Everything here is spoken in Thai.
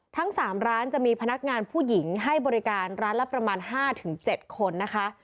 ทั้ง๓ร้านจะมีพนักงานผู้หญิงให้บริการร้านละประมาณ๕๗คนนะคะ